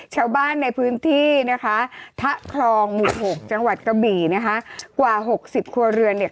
ชาวบ้านในพื้นที่นะคะทะคลองหมู่หกจังหวัดกะบี่นะคะกว่าหกสิบครัวเรือนเนี่ย